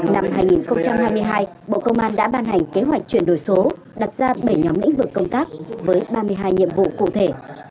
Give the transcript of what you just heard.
năm hai nghìn hai mươi hai bộ công an đã ban hành kế hoạch chuyển đổi số đặt ra bảy nhóm lĩnh vực công tác với ba mươi hai nhiệm vụ cụ thể